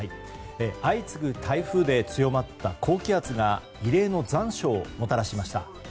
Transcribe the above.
相次ぐ台風で強まった高気圧が異例の残暑をもたらしました。